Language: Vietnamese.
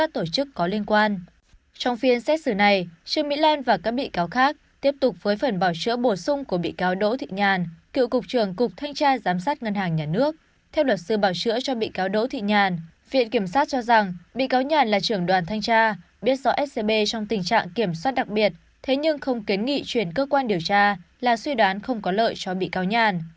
theo luật sư bảo chữa cho bị cáo đỗ thị nhàn viện kiểm sát cho rằng bị cáo nhàn là trưởng đoàn thanh tra biết rõ scb trong tình trạng kiểm soát đặc biệt thế nhưng không kến nghị chuyển cơ quan điều tra là suy đoán không có lợi cho bị cáo nhàn